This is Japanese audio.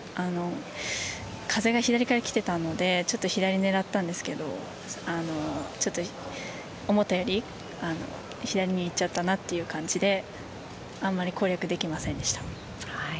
風が左から来ていたので左に狙ったんですけど思ったより左に行っちゃったなという感じであまり攻略できませんでした。